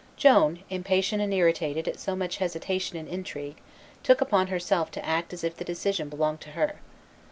Joan, impatient and irritated at so much hesitation and intrigue, took upon herself to act as if the decision belonged to her.